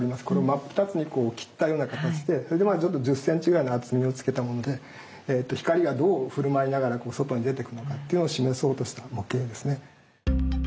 これを真っ二つに切ったような形でそれで１０ｃｍぐらいの厚みをつけたもので光がどう振る舞いながら外に出てくのかっていうのを示そうとした模型ですね。